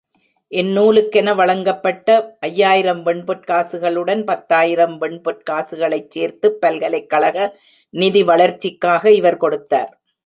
இந்நூலுக்கென வழங்கப்பட்ட ஐயாயிரம் வெண்பொற் காசுகளுடன் பத்தாயிரம் வெண்பொற் காசுகளைச் சேர்த்துப் பல்கலைக்கழக நிதி வளர்ச்சிக்காக இவர் கொடுத்தார்.